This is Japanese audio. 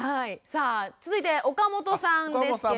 さあ続いて岡本さんですけれども。